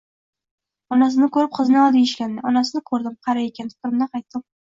Onasini ko'rib qizini ol! deyishgandi. Onasini ko'rdim - qari ekan, fikrimdan qaytdim.